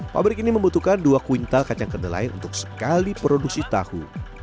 pabrik ini membutuhkan dua kuintal kacang kedelai untuk sekali produksi tahu